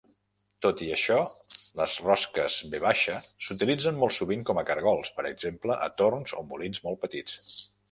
Tot i això, les rosques V s"utilitzen molt sovint com a cargols, per exemple a torns o molins molt petits.